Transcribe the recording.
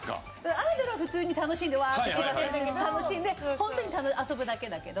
アイドルは普通に楽しんでワーッて騎馬戦だけ楽しんでホントに遊ぶだけだけど。